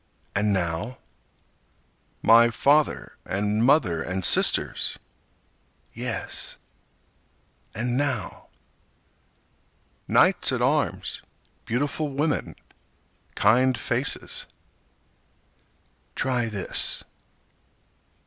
And now? My father and mother and sisters. Yes! And now? Knights at arms, beautiful women, kind faces. Try this.